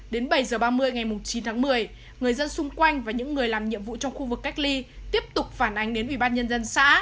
đến bảy h ba mươi ngày chín tháng một mươi người dân xung quanh và những người làm nhiệm vụ trong khu vực cách ly tiếp tục phản ánh đến ủy ban nhân dân xã